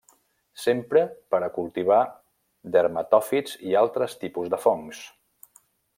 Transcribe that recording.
S'empra per a cultivar dermatòfits i altres tipus de fongs.